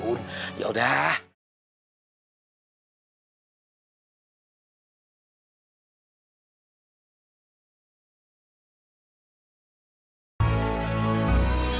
udah udah udah